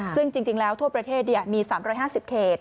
ซึ่งจริงแล้วทั่วประเทศมี๓๕๐เขต